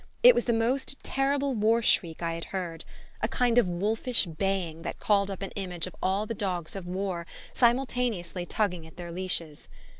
It was the most terrible war shriek I had heard: a kind of wolfish baying that called up an image of all the dogs of war simultaneously tugging at their leashes.